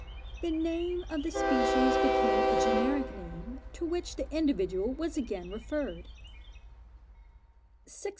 The name of the species became a generic name to which the individual was again referred. 607.